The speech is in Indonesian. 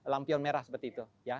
lampion merah seperti itu